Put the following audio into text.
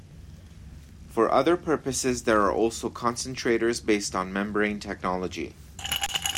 For other purposes there are also concentrators based on membrane technology.